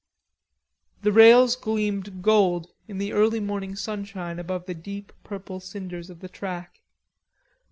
The rails gleamed gold in the early morning sunshine above the deep purple cinders of the track.